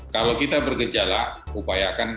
kalau kita bergejala upayakan